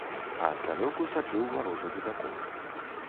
А здалёку сачыў варожы ледакол.